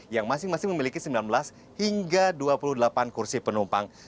yang masing masing memiliki sembilan belas hingga dua puluh delapan kursi penumpang